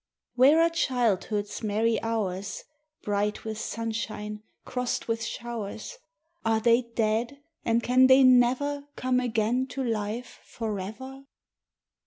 Where are childhood's merry hours, Bright with sunshine, crossed with showers? Are they dead, and can they never Come again to life forever?